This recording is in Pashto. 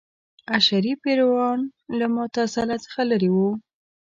اشعري پیروان له معتزله څخه لرې وو.